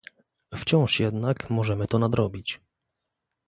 Wciąż jednak możemy to nadrobić